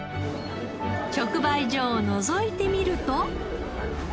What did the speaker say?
直売所をのぞいてみると。